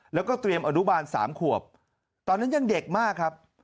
แล้วก็เตรียมอนุบาล๓ขวบตอนนั้นยังเด็กมากครับ